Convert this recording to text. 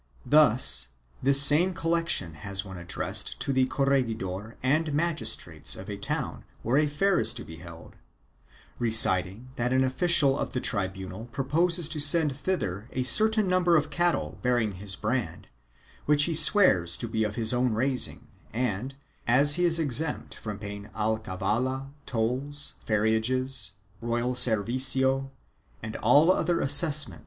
Thus this same collection has one addressed to the corregidor and magistrates of a town where a fair is to be held, reciting that an official of the tribunal proposes to send thither a certain number of cattle bearing his brand, which he swears to be of his own raising and, as he is exempt from paying alcavala, tolls, ferriages, royal servicio and all other assessments and 1 Archive hist, nacional, Inquisicion de Valencia, Leg.